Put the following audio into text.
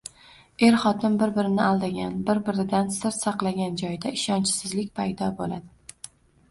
Er- xotin bir-birini aldagan, bir-biridan sir saqlagan joyda ishonchsizlik paydo bo‘ladi.